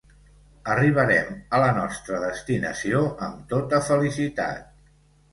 Arribàrem a la nostra destinació amb tota felicitat.